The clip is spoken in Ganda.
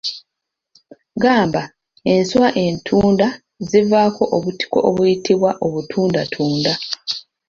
Gamba, enswa entunda zivaako obutiko obuyitibwa obutundatunda.